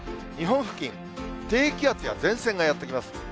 日本付近、低気圧や前線がやって来ます。